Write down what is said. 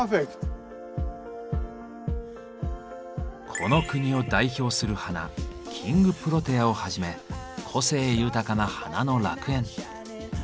この国を代表する花「キングプロテア」をはじめ個性豊かな花の楽園。